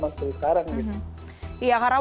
sekarang iya karena